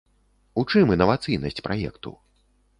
У чым інавацыйнасць праекту?